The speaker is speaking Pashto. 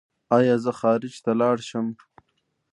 ایا زه خارج ته لاړ شم؟